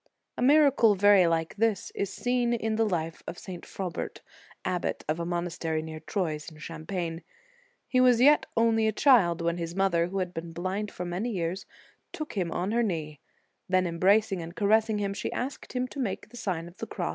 J A miracle very like this is seen in the life of St. Frobert, abbot of a monastery near Troyes in Champagne. He was yet only a child, when his mother, who had been blind for many years, took him on her knee ; then em bracing and caressing him, she asked him to make the Sign of the Cross on her eyes.